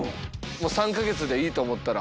もう３カ月でいいと思ったら？